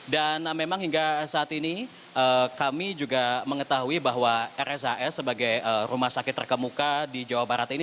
dan memang hingga saat ini kami juga mengetahui bahwa rshs sebagai rumah sakit terkemuka di jawa barat ini